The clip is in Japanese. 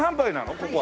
ここは。